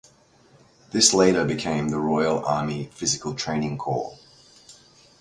This later become the Royal Army Physical Training Corps.